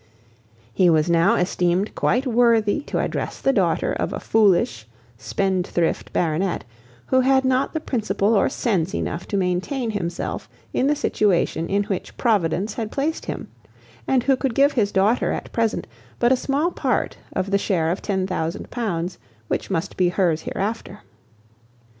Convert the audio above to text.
He was now esteemed quite worthy to address the daughter of a foolish, spendthrift baronet, who had not had principle or sense enough to maintain himself in the situation in which Providence had placed him, and who could give his daughter at present but a small part of the share of ten thousand pounds which must be hers hereafter.